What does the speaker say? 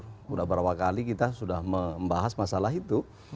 sudah berapa kali kita sudah membahas masalah itu